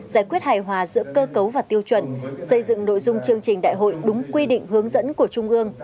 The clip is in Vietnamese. giải quyết hài hòa giữa cơ cấu và tiêu chuẩn xây dựng nội dung chương trình đại hội đúng quy định hướng dẫn của trung ương